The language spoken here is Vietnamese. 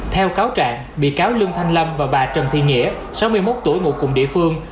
theo cáo trạng bị cáo lương thanh lâm và bà trần thị nghĩa sáu mươi một tuổi ngụ cùng địa phương